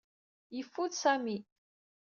Yeffud Sami.